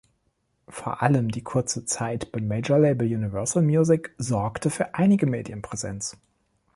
Vor allem die kurze Zeit beim Major Label Universal Music sorgte für einige Medienpräsenz.